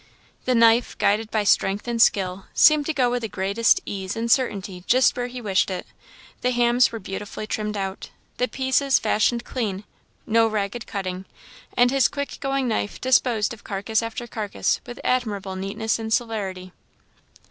The knife, guided by strength and skill, seemed to go with the greatest ease and certainty just where he wished it; the hams were beautifully trimmed out; the pieces fashioned clean; no ragged cutting; and his quick going knife disposed of carcass after carcass with admirable neatness and celerity.